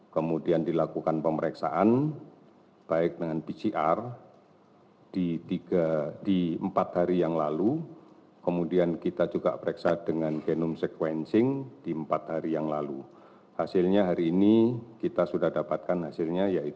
kondisinya nampak sakit ringan sedang stabil